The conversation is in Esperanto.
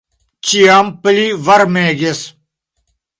Ĉiam pli varmegis.